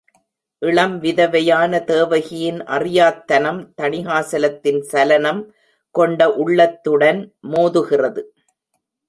இளம் விதவையான தேவகியின் அறியாத் தனம் தணிகாசலத்தின் சலனம் கொண்ட உள்ளத்துடன் மோதுகிறது.